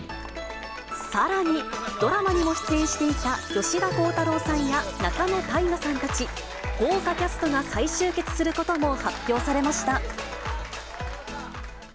さらに、ドラマにも出演していた吉田鋼太郎さんや仲野太賀さんたち、豪華キャストが再集結することも発表されました。